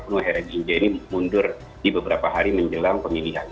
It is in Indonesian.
muhyiddin injil ini mundur di beberapa hari menjelang pemilihan